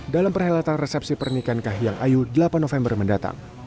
dalam perhelatan resepsi pernikahan kahiyang ayu delapan november mendatang